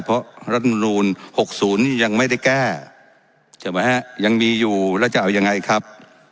เพราะรัฐบาลหนุนหกศูนย์ยังไม่ได้แก้ยังมีอยู่แล้วจะเอายังไงครับ